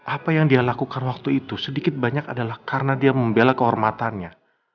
apa yang dia lakukan waktu itu sedikit banyak adalah karena dia membela kehormatannya